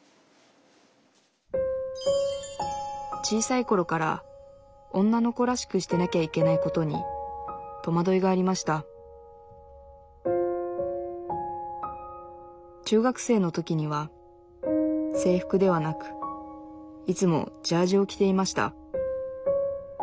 小さいころから女の子らしくしてなきゃいけないことにとまどいがありました中学生の時には制服ではなくいつもジャージを着ていました